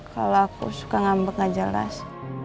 kalo aku suka ngambek gak jelas